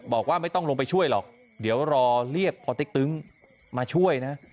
บอกว่าไม่ต้องลงไปช่วยหรอกเดี๋ยวรอเรียกพอเต๊กตึ้งมาช่วยนะ